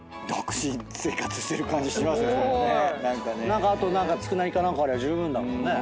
何かあと佃煮か何かありゃ十分だもんね。